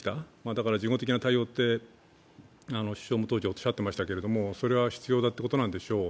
だから事後的な対応と首相も当時おっしゃっていましたが、それは必要だということなんでしょう。